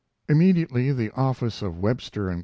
Immediately the office of Webster & Co.